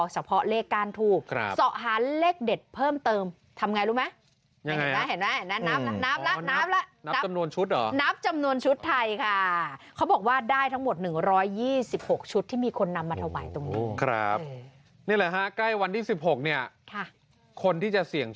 เฉพาะเลขก้านทูบเสาะหาเลขเด็ดเพิ่มเติมทำไงรู้ไหม